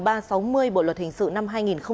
bộ luật hình sự năm hai nghìn một mươi năm